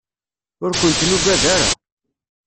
Ur kent-nuggad ara.